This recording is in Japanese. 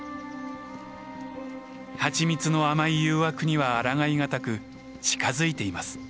蜂蜜の甘い誘惑にはあらがいがたく近づいています。